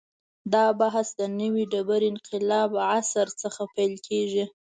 دا بحث د نوې ډبرې انقلاب عصر څخه پیل کېږي.